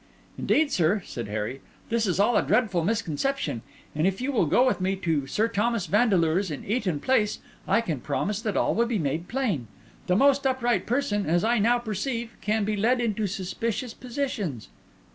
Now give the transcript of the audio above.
"Indeed, sir," said Harry, "this is all a dreadful misconception; and if you will go with me to Sir Thomas Vandeleur's in Eaton Place, I can promise that all will be made plain. The most upright person, as I now perceive, can be led into suspicious positions."